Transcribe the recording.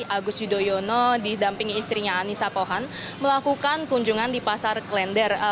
agus yudhoyono didampingi istrinya anissa pohan melakukan kunjungan di pasar klender